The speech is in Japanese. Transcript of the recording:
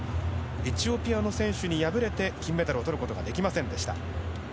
エチオピアの選手に敗れて金メダルをとることができませんでした。